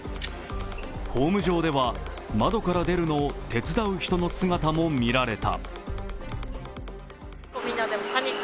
ホーム上では窓から出るのを手伝う人の姿も見られた。